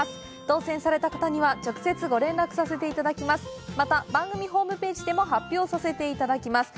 当せんされた方には直接ご連絡させていただきます。